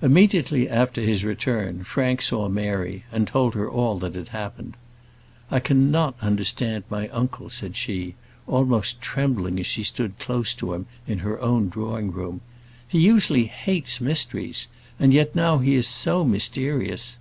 Immediately after his return, Frank saw Mary, and told her all that had happened. "I cannot understand my uncle," said she, almost trembling as she stood close to him in her own drawing room. "He usually hates mysteries, and yet now he is so mysterious.